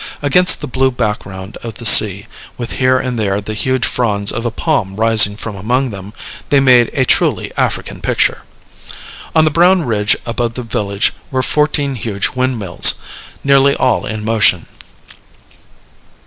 Against the blue background of the sea, with here and there the huge fronds of a palm rising from among them, they made a truly African picture. On the brown ridge above the village were fourteen huge windmills, nearly all in motion.